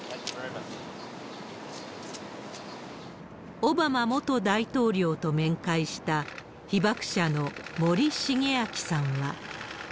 オバマ元大統領と面会した被爆者の森重昭さんは。